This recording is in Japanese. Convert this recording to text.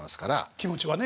気持ちはね。